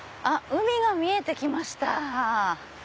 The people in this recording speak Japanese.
あっ海が見えて来ました！